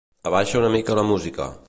Abaixa una mica la música.